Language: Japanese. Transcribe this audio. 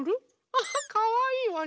アハかわいいわね。